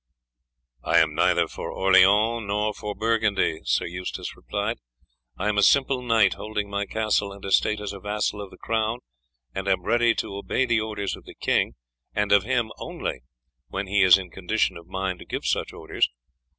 "I am neither for Orleans nor for Burgundy," Sir Eustace replied. "I am a simple knight, holding my castle and estate as a vassal of the crown, and am ready to obey the orders of the king, and of him only when he is in a condition of mind to give such orders.